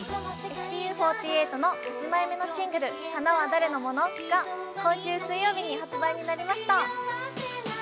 ◆ＳＴＵ４８の８枚目のシングル「花は誰のもの？」が今週水曜日に発売されました！